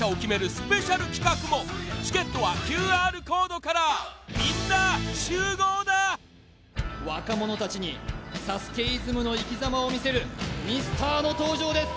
スペシャル企画もチケットはＱＲコードからみんな集合だ若者達にＳＡＳＵＫＥイズムの生きざまを見せるミスターの登場です